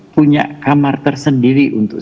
punya kamar tersendiri untuk